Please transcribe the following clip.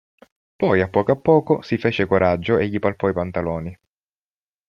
Poi a poco a poco si fece coraggio e gli palpò i pantaloni.